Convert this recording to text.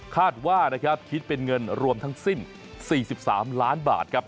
คาดว่านะครับคิดเป็นเงินรวมทั้งสิ้น๔๓ล้านบาทครับ